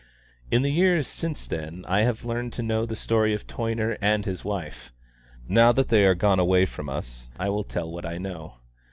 In the years since then I have learned to know the story of Toyner and his wife. Now that they are gone away from us, I will tell what I know.